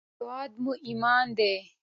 هېواد مو ایمان دی